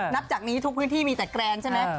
นับจากนี้ทุกพื้นที่มีแต่แกรนใช่ไหม